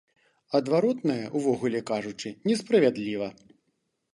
Адваротнае, увогуле кажучы, не справядліва.